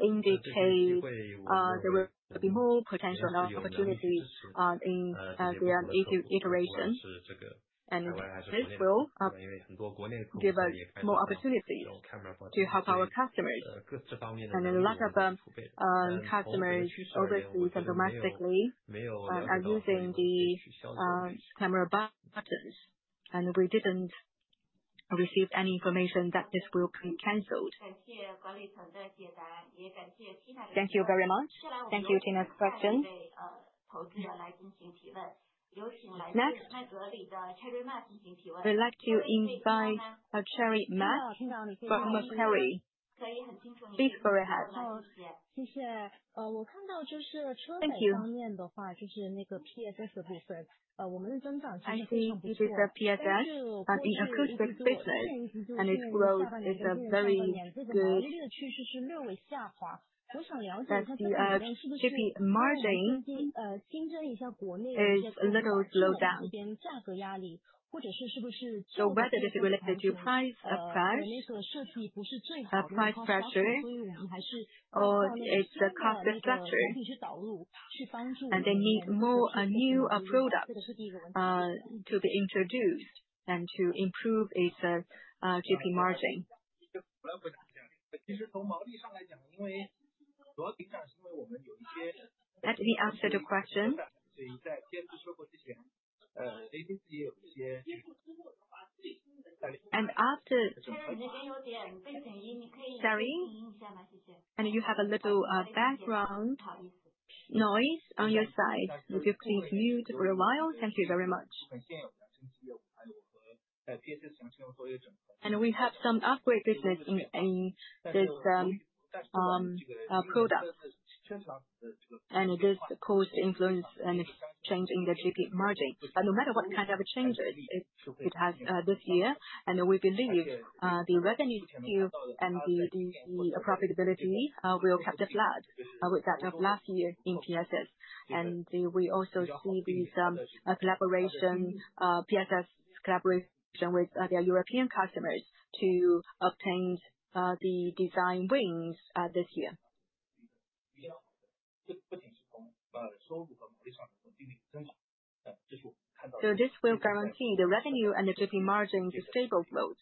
M: indicates there will be more potential opportunities in the iteration. And this will give us more opportunities to help our customers. And a lot of customers overseas and domestically are using the camera buttons and we didn't receive any information that this will be canceled.
L: Thank you very much.
C: Thank you, Tina's questions. Next. We'd like to invite Cherry Ma from Macquarie. Please go ahead.
N: Thank you. This is a PSS in acoustics business, and its growth is very good. Margin is a little slow down。So whether this is related to price, price pressure, or cost structure, and they need more new products to be introduced and to improve its GP margin.
M: Let me answer the question. And after?
N: Sorry. And you have a little background noise on your side. Would you please mute for a while? Thank you very much.
M: And we have some upgrade business in this product and this caused influence and change in the GP margin. But no matter what kind of changes it has this year, and we believe the revenue still and the profitability will catch up with that of last year in PSS. And we also see these collaborations, PSS collaboration with their European customers to obtain the design wins this year. So this will guarantee the revenue and the GP margin to stable growth.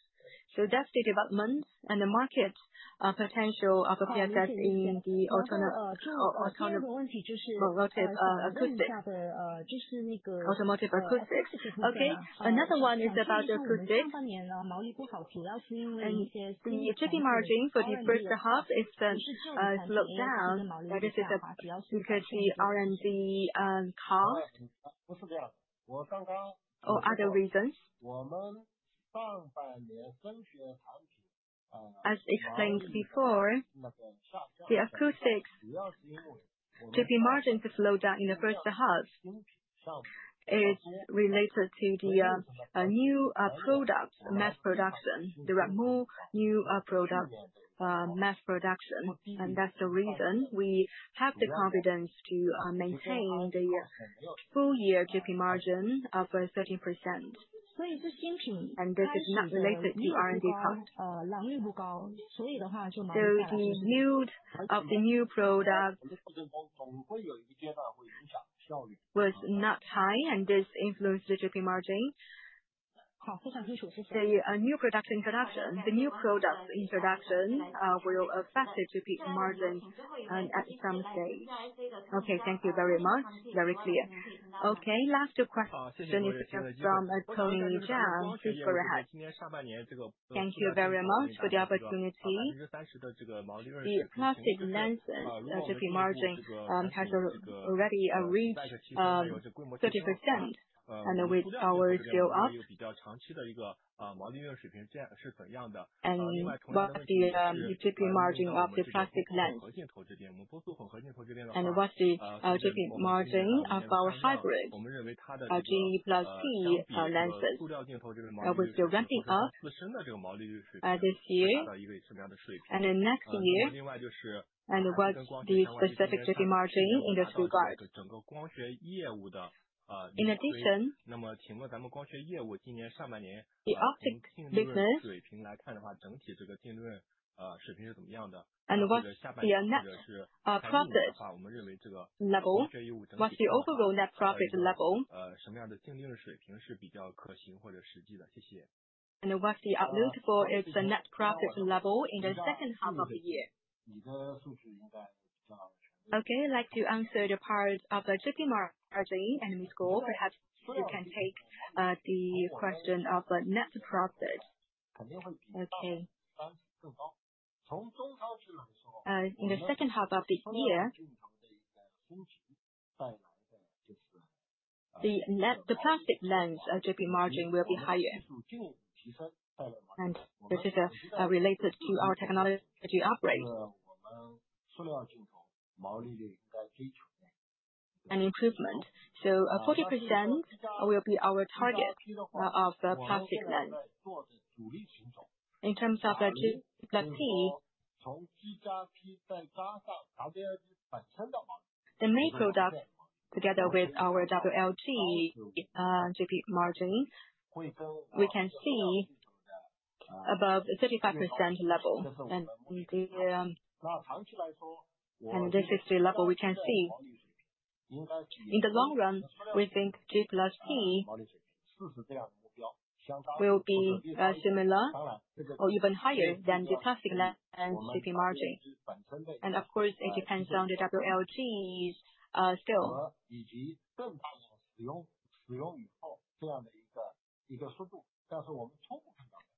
M: So that's the development and the market potential of PSS in the automotive acoustics.
N: Okay. Another one is about acoustics. And the GP margin for the first half is slowed down. But this is because the R&D cost or other reasons?
M: As explained before, the acoustics GP margin slowed down in the first half is related to the new product mass production. There are more new products mass production. And that's the reason we have the confidence to maintain the full year GP margin of 13%. This is not related to R&D cost. So the yield of the new product was not high, and this influenced the GP margin. The new product introduction, the new products introduction will affect the GP margin at some stage.
N: Okay. Thank you very much. Very clear.
C: Okay. Last question is from Tony Zhang. Please go ahead.
O: Thank you very much for the opportunity. The plastic lens GP margin has already reached 30%. And with our scale-up and what's the GP margin of the plastic lens? And what's the GP margin of our hybrid WLG plus P lenses? We're still ramping up this year and next year. And what's the specific GP margin in this regard? In addition, the optics business and what's the net profit level, what's the overall net profit level and what's the outlook for its net profit level in the second half of the year?
H: Okay. I'd like to answer the part of the GP margin and Ms. Guo, perhaps you can take the question of net profit. Okay. In the second half of the year, the plastic lens GP margin will be higher. And this is related to our technology upgrade. And improvement. So 40% will be our target of the plastic lens. In terms of G+P, the main product, together with our WLG GP margin, we can see above 35% level. And this is the level we can see. In the long run, we think G+P will be similar or even higher than the plastic lens GP margin. And of course, it depends on the WLG scale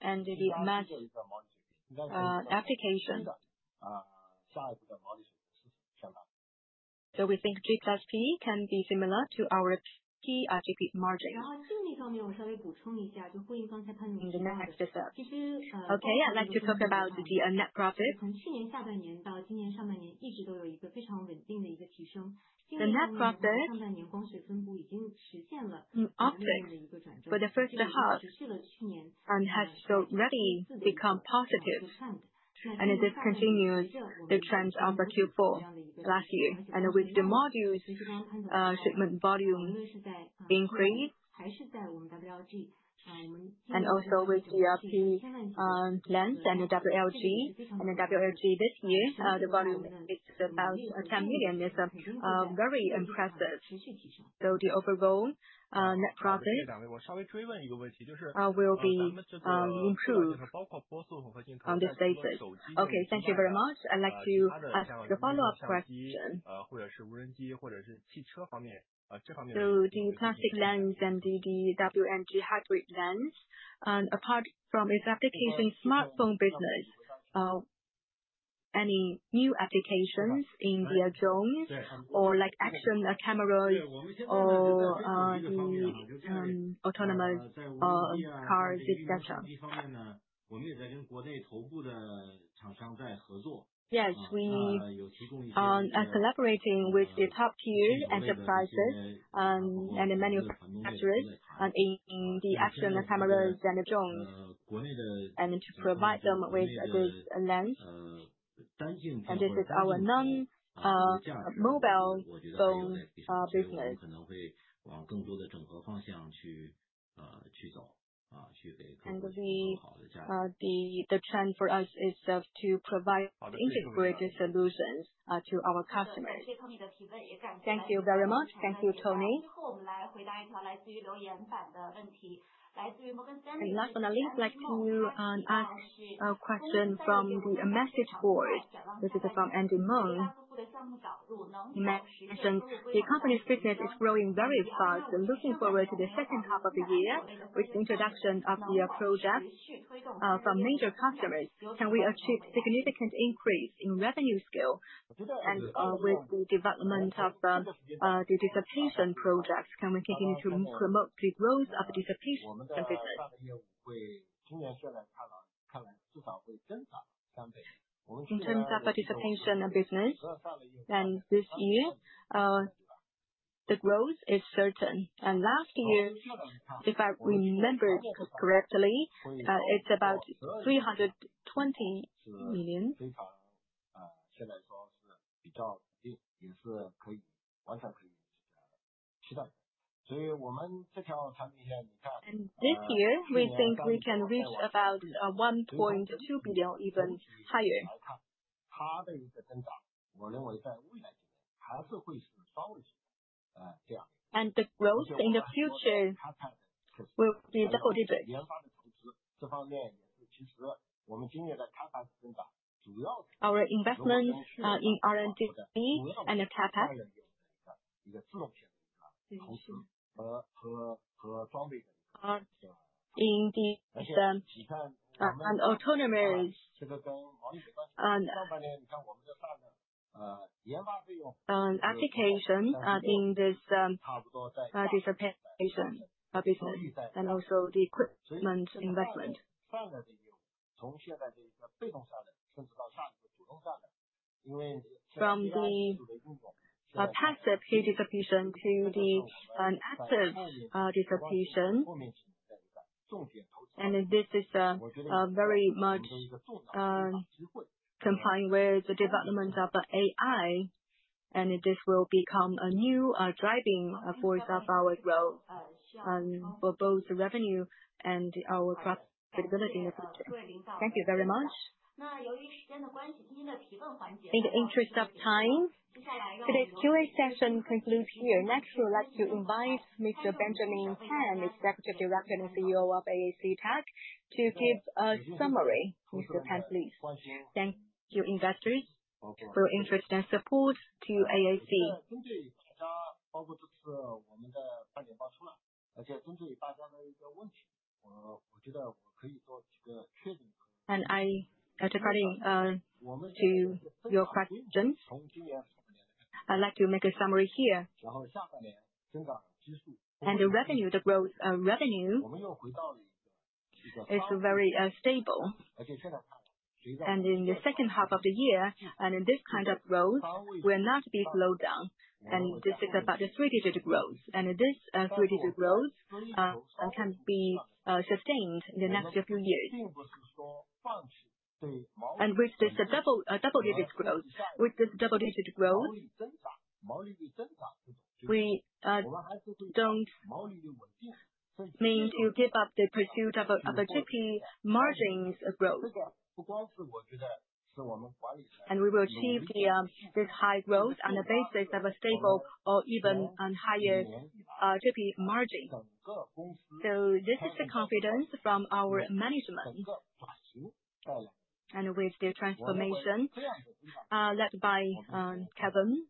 H: and the GP margin application. So we think G+P can be similar to our P at GP margin.
J: Okay. I'd like to talk about the net profit. The net profit optics but the first half has already become positive and it has continued the trend of Q4 last year. and with the modules shipment volume increase, and also with the P lens and WLG and the WLG this year, the volume is about 10 million. It's very impressive. So the overall net profit will be improved on this basis.
O: Okay. Thank you very much. I'd like to ask a follow-up question. So the plastic lens and the WLG hybrid lens, apart from its application smartphone business, any new applications in the drones or action cameras or the autonomous cars, etc.?
H: Yes. We are collaborating with the top-tier enterprises and the manufacturers in the action cameras and drones and to provide them with this lens. And this is our non-mobile phone business and the trend for us is to provide integrated solutions to our customers.
C: Thank you very much. Thank you, Tony. I'd like to ask a question from the message board. This is from Andy Meng. He mentioned the company's business is growing very fast and looking forward to the second half of the year with the introduction of the projects from major customers. Can we achieve significant increase in revenue scale? And with the development of the heat dissipation projects, can we continue to promote the growth of the heat dissipation business?
H: In terms of the heat dissipation business, this year the growth is certain. Last year, if I remember correctly, it was about RMB 320 million. And this year, we think we can reach about 1.2 billion, even higher and the growth in the future will be double digits. Our investment in R&D From the passive dissipation to the active dissipation. And this is very much complying with the development of AI, and this will become a new driving force of our growth for both revenue and our profitability in the future.
C: Thank you very much. In the interest of time, today's Q&A session concludes here. Next, we would like to invite Mr. Benjamin Pan, Executive Director and CEO of AAC Technologies, to give a summary. Mr. Pan, please.
H: Thank you, investors, for your interest and support to AAC. And I'd like to reply to your questions. From this year's first half. I'd like to make a summary here. And the revenue it's very stable. And in the second half of the year, and this kind of growth will not be slowed down, and this is about a three-digit growth. And this three-digit growth can be sustained in the next few years. And with this double-digit growth, with this double-digit growth, we don't mean to give up the pursuit of GP margins growth. And we will achieve this high growth on the basis of a stable or even higher GP margin. So this is the confidence from our management. And with the transformation led by Kelvin.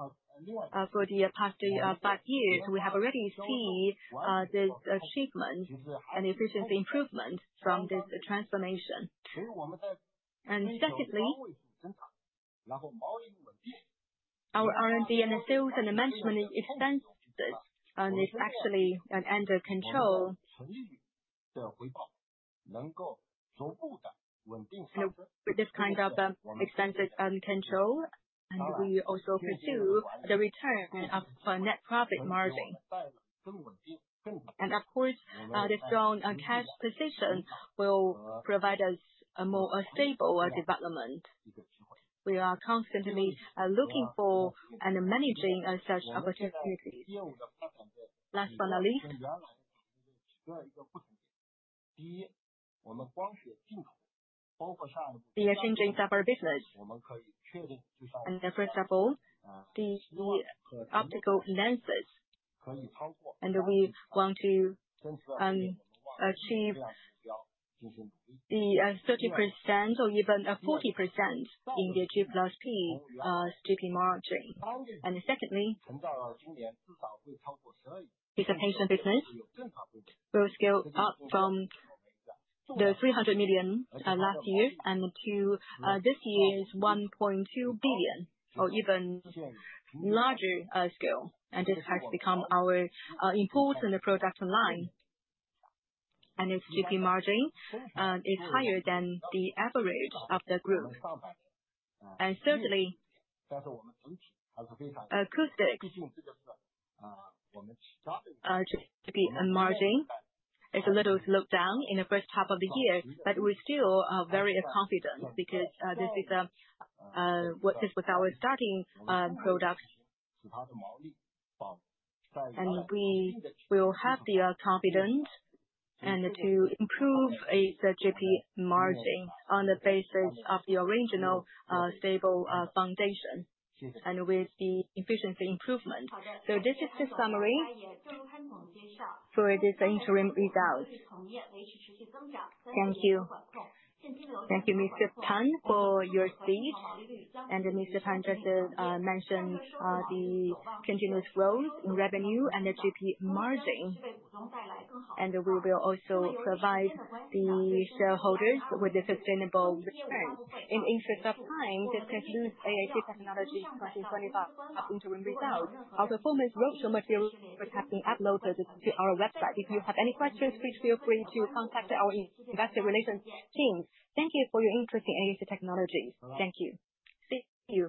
H: For the past five years, we have already seen this achievement and efficiency improvement from this transformation. And secondly, our R&D and sales and management expenses is actually under control. With this kind of expenses control, and we also pursue the return of net profit margin. Of course, the strong cash position will provide us a more stable development. We are constantly looking for and managing such opportunities. Last but not least, the changing software business. First of all, the optical lenses. We want to achieve the 30% or even 40% in the G+P GP margin. Second, dissipation business will scale up from the 300 million last year to this year's 1.2 billion or even larger scale. This has become our important product line. Its GP margin is higher than the average of the group. Thirdly, acoustics margin is a little slowed down in the first half of the year, but we're still very confident because this was our starting product. And we will have the confidence to improve its GP margin on the basis of the original stable foundation and with the efficiency improvement. So this is the summary for this interim results. Thank you.
C: Thank you, Mr. Pan, for your speech. And Mr. Pan just mentioned the continuous growth in revenue and the GP margin. And we will also provide the shareholders with the sustainable returns. In the interest of time, this concludes AAC Technologies 2025 interim results. Our performance roadshow material has been uploaded to our website. If you have any questions, please feel free to contact our investor relations team. Thank you for your interest in AAC Technologies. Thank you. See you.